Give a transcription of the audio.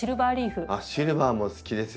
シルバーも好きですよ